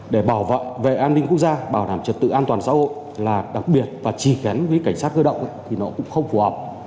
để bảo vệ về an ninh quốc gia bảo đảm trật tự an toàn xã hội là đặc biệt và chỉ gắn với cảnh sát cơ động thì nó cũng không phù hợp